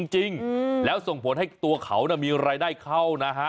จริงแล้วส่งผลให้ตัวเขามีรายได้เข้านะฮะ